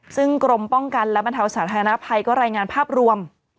ซึ่งกรมป้องกันและบรรเทาสาธารณภัยก็รายงานภาพรวม